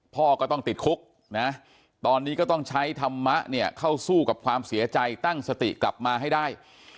พ่อก็ต้องติดคุกนะตอนนี้ก็ต้องใช้ธรรมะเนี่ยเข้าสู้กับความเสียใจตั้งสติกลับมาให้ได้